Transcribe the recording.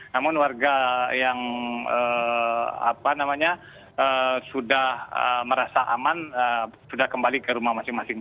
namun warga yang sudah merasa aman sudah kembali ke rumah masing masing